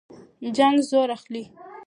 جنګ زور اخلي.